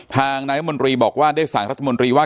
นายมนตรีบอกว่าได้สั่งรัฐมนตรีว่า